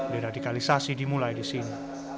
deradikalisasi dimulai di sini